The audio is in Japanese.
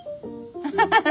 ハハハハハ。